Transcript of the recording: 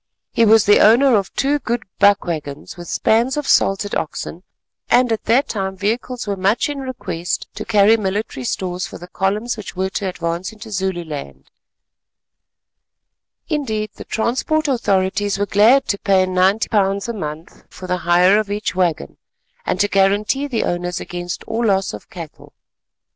He was the owner of two good buck waggons with spans of salted oxen, and at that time vehicles were much in request to carry military stores for the columns which were to advance into Zululand; indeed the transport authorities were glad to pay £90 a month for the hire of each waggon and to guarantee the owners against all loss of cattle.